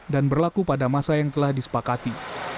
dan berlaku pada masa yang telah disepakati